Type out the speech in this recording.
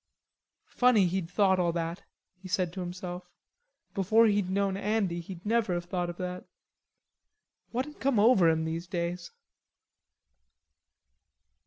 Funny he'd thought all that, he said to himself. Before he'd known Andy he'd never have thought of that. What had come over him these days?